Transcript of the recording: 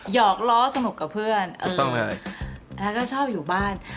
หยอกล้อสนุกกับเพื่อนเออแล้วก็ชอบอยู่บ้าน